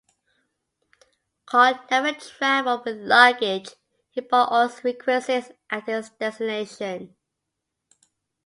Carl never traveled with luggage-he bought all his requisites at his destination.